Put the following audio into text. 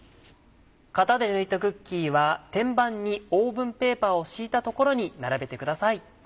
型で抜いたクッキーは天板にオーブンペーパーを敷いた所に並べてください。